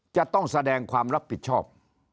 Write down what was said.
จะต้องแสดงความรับผิดชอบ